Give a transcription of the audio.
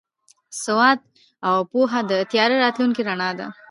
سواد او پوهه د تیاره راتلونکي رڼا ده.